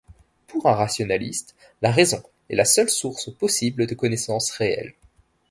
Pour un rationaliste, la raison est la seule source possible de connaissance réelle.